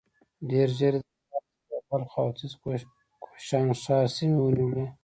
ډېر ژر يې د پارس څخه د بلخ او ختيځ کوشانښار سيمې ونيولې.